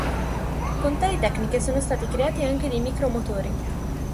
Con tali tecniche sono stati creati anche dei micro-motori.